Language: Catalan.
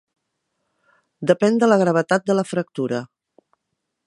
Depèn de la gravetat de la fractura.